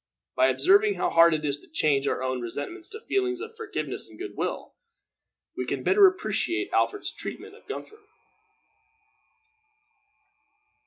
By observing how hard it is to change our own resentments to feelings of forgiveness and good will, we can the better appreciate Alfred's treatment of Guthrum.